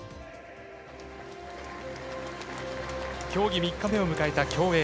競技３日目を迎えた競泳。